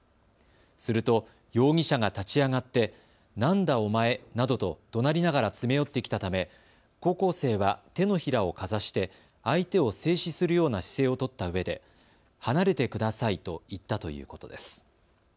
すると容疑者が立ち上がって何だお前などとどなりながら詰め寄ってきたため高校生は手のひらをかざして相手を制止するような姿勢を取ったうえで離れてくださいと言ったということです。